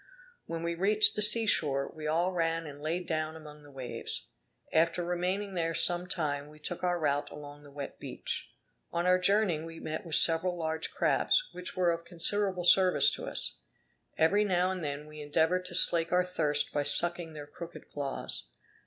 When we reached the sea shore, we all ran and lay down among the waves. After remaining there some time, we took our route along the wet beach. On our journey we met with several large crabs, which were of considerable service to us. Every now and then we endeavored to slake our thirst by sucking their crooked claws.